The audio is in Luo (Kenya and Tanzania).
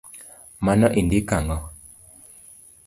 Mano indiko ang’o?